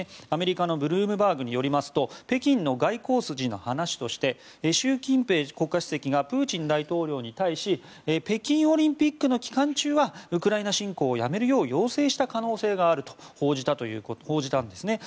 アメリカのブルームバーグによりますと北京の外交筋の話として習近平国家主席がプーチン大統領に対し北京オリンピックの期間中はウクライナ侵攻をやめるよう要請した可能性があると報じたんです。